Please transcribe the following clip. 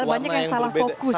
banyak yang salah fokus